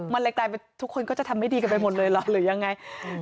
มันเลยกลายเป็นทุกคนก็จะทำไม่ดีกันไปหมดเลยเหรอหรือยังไง